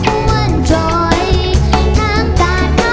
ก็ห้อนเหลือจอยหน้าแห้งน้ำ